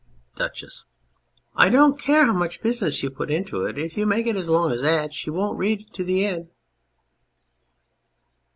} DUCHESS. 1 don't care how much business you put into it ; if you make it as long as that she won't read to the end.